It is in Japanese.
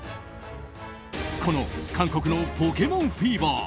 この韓国のポケモンフィーバー。